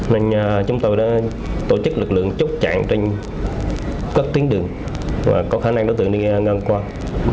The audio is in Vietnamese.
nên chúng tôi đã tổ chức lực lượng chốt chặn trên các tuyến đường và có khả năng đối tượng đi ngang qua